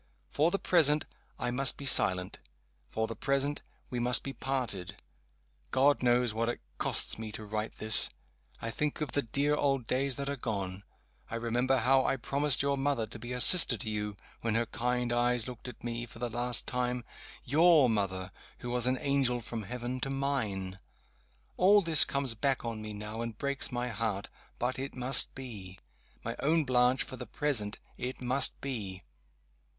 For the present, I must be silent. For the present, we must be parted. God knows what it costs me to write this. I think of the dear old days that are gone; I remember how I promised your mother to be a sister to you, when her kind eyes looked at me, for the last time your mother, who was an angel from heaven to mine! All this comes back on me now, and breaks my heart. But it must be! my own Blanche, for the present, it must be!